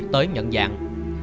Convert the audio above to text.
tới nhận dạng